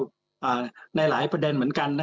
พลังนรรมิในหลายประเด็นเหมือนกัน